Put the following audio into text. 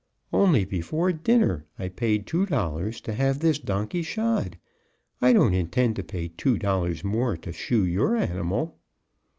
"Only before dinner I paid two dollars to have this donkey shod. I don't intend to pay two dollars more to shoe your animal."